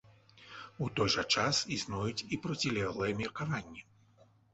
У той жа час існуюць і процілеглыя меркаванні.